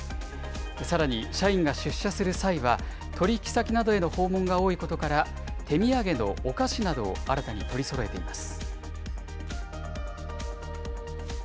さらに社員が出社する際は、取り引き先などへの訪問が多いことから、手土産のお菓子などを新たに取りそろえています。